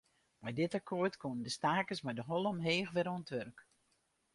Mei dit akkoart koenen de stakers mei de holle omheech wer oan it wurk.